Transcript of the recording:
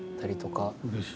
うれしい。